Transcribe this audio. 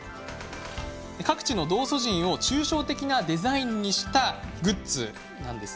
各地の道祖神を抽象的なデザインにしたグッズなんです。